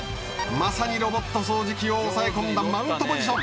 まさにロボット掃除機を押さえ込んだマウントポジション。